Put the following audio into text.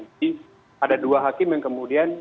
jadi ada dua hakim yang kemudian